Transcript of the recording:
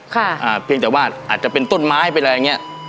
อ่าเพียงแต่ว่าอาจจะเป็นต้นไม้เป็นอะไรอย่างเงี้ย